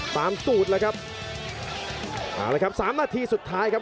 สูตรแล้วครับเอาละครับสามนาทีสุดท้ายครับ